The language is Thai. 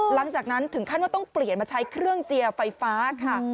หลังจากนั้นถึงขั้นว่าต้องเปลี่ยนมาใช้เครื่องเจียร์ไฟฟ้าค่ะ